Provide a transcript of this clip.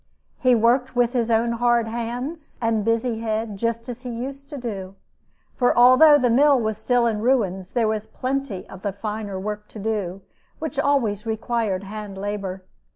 He worked with his own hard hands and busy head just as he used to do; for although the mill was still in ruins, there was plenty of the finer work to do, which always required hand labor.